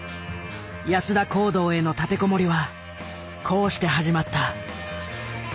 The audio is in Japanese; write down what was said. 安田講堂への立て籠もりはこうして始まった。